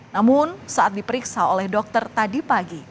namun saat diperiksa oleh dokter tadi pagi